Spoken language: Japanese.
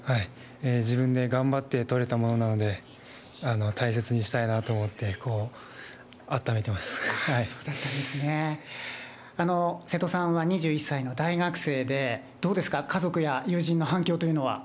自分で頑張ってとれたものなので、大切にしたいなと思って、そうだったんですね、瀬戸さんは２１歳の大学生で、どうですか、家族や友人の反響というのは。